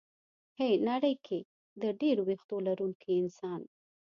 ه نړۍ کې د ډېرو وېښتو لرونکي انسان